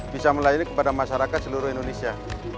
bisa melayani kepada masyarakat seluruh indonesia